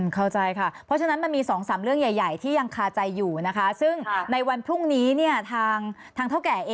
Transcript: เข้าใจค่ะเพราะฉะนั้นมันมี๒๓เรื่องใหญ่ที่ยังคาใจอยู่นะคะ